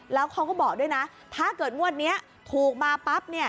แล้วเขาก็บอกด้วยนะถ้าเกิดงวดนี้ถูกมาปั๊บเนี่ย